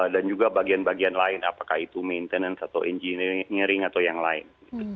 dan juga bagian bagian lain apakah itu maintenance atau engineering atau yang lain